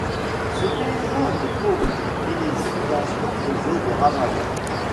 Ces paysans étaient pauvres, et les inondations faisaient des ravages.